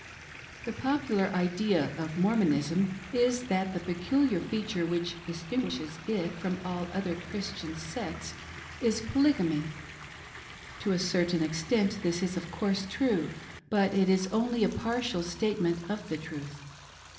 The popular idea of Mormpnism is that the peculiar feature which distinguishes it from all other Christian sects is Poly gamy. To a certain extent this is, of course, true ; but it is only a partial statement of the truth.